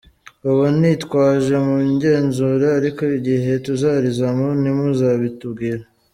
Ubu ntitwaje mu igenzura ariko igihe tuzarizamo ntimuzabitubwira.